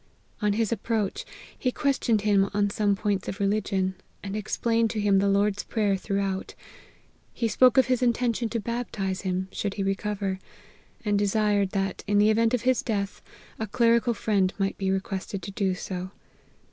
On his approach, he questioned him on some points of religion, and explained to him the Lord's Prayer throughout : he spoke of his intention to baptize him, should he recover ; and desired, that, in the event of his death, a cleri cal friend might be requested to do so.